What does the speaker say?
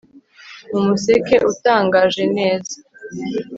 mu museke utangaje neza